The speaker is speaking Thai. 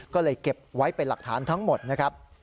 ก็เลยเก็บไว้เป็นหลักฐานทั้งหมดนะครับ